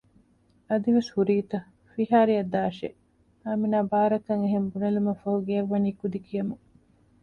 އަދިވެސް ހުރީތަ؟ ފިހާރައަށް ދާށޭ! އާމިނާ ބާރަކަށް އެހެން ބުނެލުމަށްފަހު ގެއަށް ވަނީ ކުދި ކިޔަމުން